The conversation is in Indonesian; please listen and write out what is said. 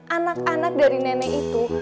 anak anak dari nenek itu